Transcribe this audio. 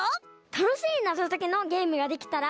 たのしいなぞときのゲームができたら。